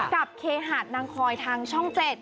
เคหาดนางคอยทางช่อง๗